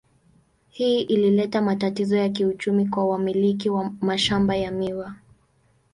Hii ilileta matatizo ya kiuchumi kwa wamiliki wa mashamba ya miwa.